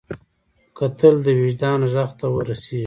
کتل د وجدان غږ ته ور رسېږي